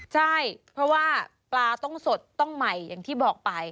ใช่เพราะว่าปลาต้องสดต้องใหม่อย่างที่บอกไป